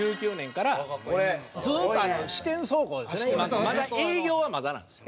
まだ営業はまだなんですよ。